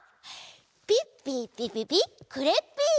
ピッピーピピピクレッピー！